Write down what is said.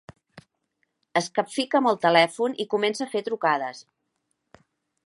Es capfica amb el telèfon i comença a fer trucades.